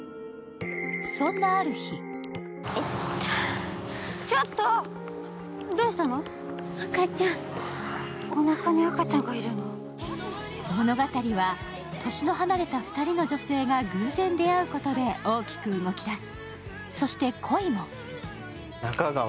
そんなある日物語は年の離れた２人の女性が偶然出会うことで、大きく動き出す。